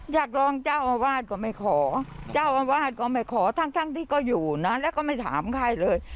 อยากรองเจ้าอาวาสก็ไม่ขอเจ้าอาวาสก็ไม่ขอทั้งที่ก็อยู่นะแล้วก็ไม่ถามใครเลย